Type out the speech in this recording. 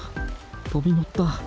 飛び乗った。